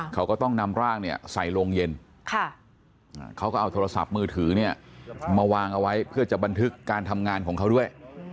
เขาก็ต้องนำร่างเนี่ยใส่โรงเย็นเขาก็เอาโทรศัพท์มือถือเนี่ยมาวางเอาไว้เพื่อจะบันทึกการทำงานของเขาด้วย